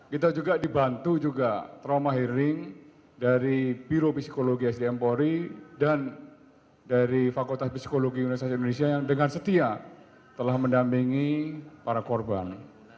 kita juga dibantu juga trauma hearing dari biro psikologi sdm polri dan dari fakultas psikologi universitas indonesia yang dengan setia telah mendampingi para korban